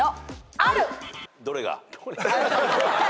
ある！